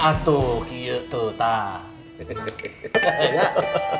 aduh gitu tak